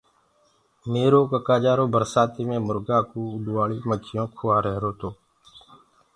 ميرو سئوُٽ برسآتي مي مرگآ ڪوُ اُڏوآݪيٚ مکيونٚ کوآ رهيرو تو۔